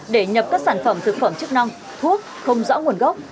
để nhập các sản phẩm thực phẩm chức năng thuốc không rõ nguồn gốc